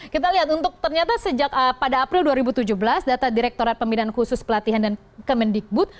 kita lihat untuk ternyata sejak pada april dua ribu tujuh belas data direkturat pembinaan khusus pelatihan dan kemendikbud